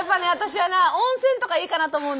温泉とかいいかなと思うねんな。